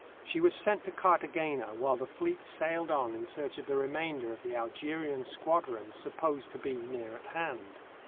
She was sent to Cartagena while the fleet sailed on in search of the remainder of the Algerian squadron supposed to be near at hand.